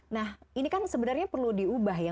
nah ini kan sebenarnya perlu diubah ya